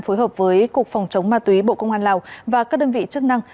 phối hợp với cục phòng chống ma túy bộ công an lào và các đơn vị chức năng